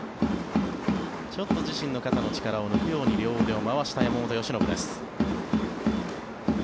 ちょっと自身の肩の力を抜くように両腕を回した山本由伸です。